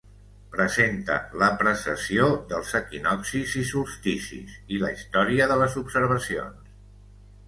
Presenta la precessió dels equinoccis i solsticis, i la història de les observacions.